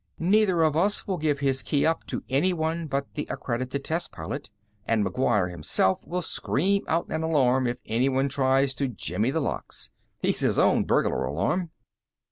Neither of us will give his key up to anyone but the accredited test pilot. And McGuire himself will scream out an alarm if anyone tries to jimmy the locks. He's his own burglar alarm."